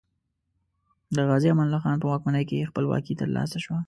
د غازي امان الله خان په واکمنۍ کې خپلواکي تر لاسه شوه.